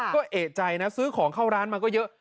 ก็เอกใจนะซื้อของเข้าร้านมาก็เยอะ